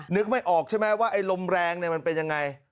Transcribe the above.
นึกไม่ออกใช่ไหมว่าไอ้ลมแรงมันเป็นยังไง